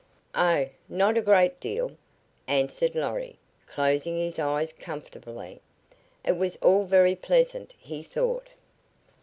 "Oh, not a great deal," answered Lorry, closing his eyes comfortably. It was all very pleasant, he thought.